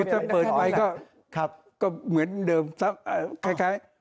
จะเปิดไปก็เหมือนเดิมแค่